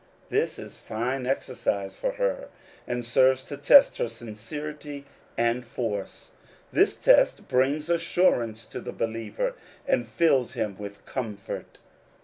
This is fine exercise for her, and serves to test her sincerity and force : this test brings assurance to the believer, and fills him with comfort.